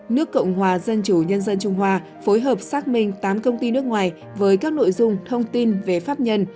nước cộng hòa dân chủ nhân dân trung hoa phối hợp xác minh tám công ty nước ngoài với các nội dung thông tin về pháp nhân